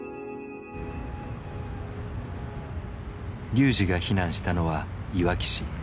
ＲＹＵＪＩが避難したのはいわき市。